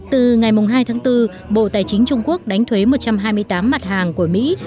từ ngày hai tháng bốn bộ tài chính trung quốc đánh thuế một trăm hai mươi tám mặt hàng của mỹ